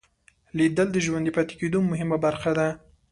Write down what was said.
لیدل د ژوندي پاتې کېدو مهمه برخه ده